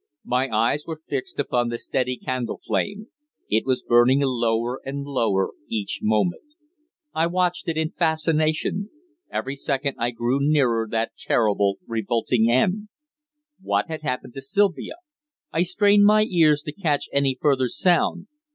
My eyes were fixed upon the steady candle flame. It was burning lower and lower each moment. I watched it in fascination. Each second I grew nearer that terrible, revolting end. What had happened to Sylvia? I strained my ears to catch any further sound.